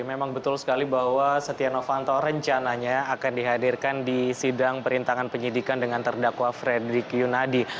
memang betul sekali bahwa setia novanto rencananya akan dihadirkan di sidang perintangan penyidikan dengan terdakwa fredrik yunadi